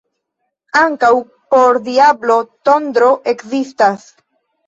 Ankaŭ por diablo tondro ekzistas.